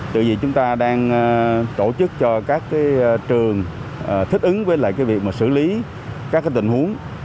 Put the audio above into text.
tự vì chúng ta đang tổ chức cho các trường thích ứng với việc xử lý các tình huống